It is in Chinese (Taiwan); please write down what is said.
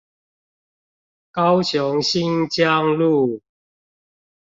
高雄新疆路